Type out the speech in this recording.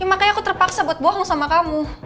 makanya aku terpaksa buat bohong sama kamu